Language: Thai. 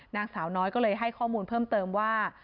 นางสาวน้อยก็เลยให้ข้อมูลเพิ่มเติมว่า